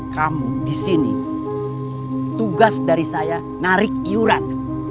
kamu di sini tugas dari saya narik iuran